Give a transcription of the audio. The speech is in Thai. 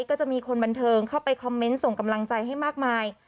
ก็จะมีคนบันเทิงเข้าไปคอมเมนต์ส่งกำลังใจให้มากมาย